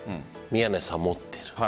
宮根さん持っている。